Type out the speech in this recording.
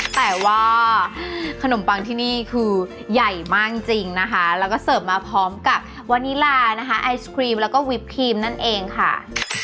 แต่ว่าขนมปังที่นี่คือใหญ่มากจริงนะคะแล้วก็เสิร์ฟมาพร้อมกับวานิลานะคะไอศครีมแล้วก็วิปครีมนั่นเองค่ะ